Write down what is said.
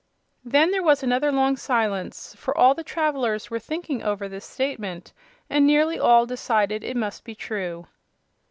Then there was another long silence, for all the travelers were thinking over this statement, and nearly all decided it must be true.